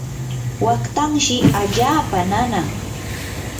waqtanshi allaapa nanan.